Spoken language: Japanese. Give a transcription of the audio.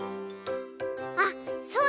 あっそうだ！